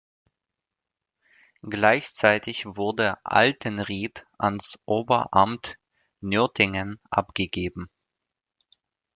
Gleichzeitig wurde Altenriet ans Oberamt Nürtingen abgegeben.